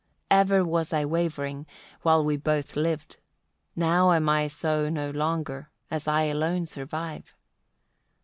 27. "Ever was I wavering, while we both lived; now am I so no longer, as I alone survive.